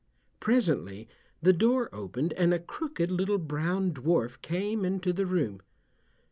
Presently the door opened and a crooked little brown dwarf came into the room.